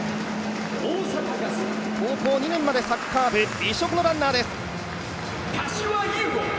高校２年前までサッカー部、異色のランナーです。